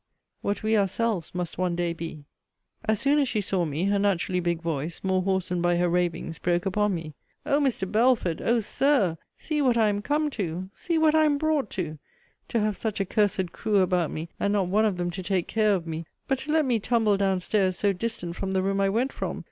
what we ourselves must one day be! As soon as she saw me, her naturally big voice, more hoarsened by her ravings, broke upon me: O Mr. Belford! O Sir! see what I am come to! See what I am brought to! To have such a cursed crew about me, and not one of them to take care of me! But to let me tumble down stairs so distant from the room I went from!